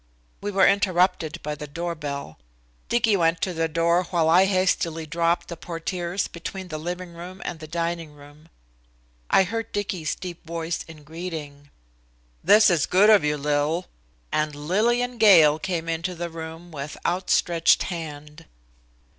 We were interrupted by the door bell. Dicky went to the door while I hastily dropped the portiers between the living room and the dining room. I heard Dicky's deep voice in greeting. "This is good of you, Lil," and Lillian Gale came into the room with outstretched hand.